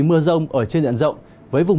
mưa rông ở trên diện rộng với vùng